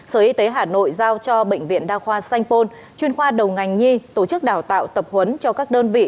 sở y tế hà nội giao cho bệnh viện đa khoa sanh pôn chuyên khoa đầu ngành nhi tổ chức đào tạo tập huấn cho các đơn vị